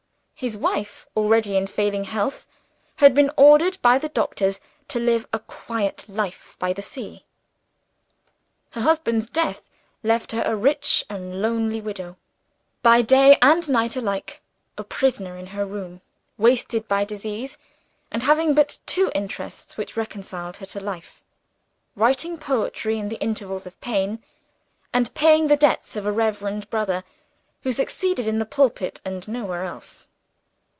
His wife already in failing health had been ordered by the doctors to live a quiet life by the sea. Her husband's death left her a rich and lonely widow; by day and night alike, a prisoner in her room; wasted by disease, and having but two interests which reconciled her to life writing poetry in the intervals of pain, and paying the debts of a reverend brother who succeeded in the pulpit, and prospered nowhere else.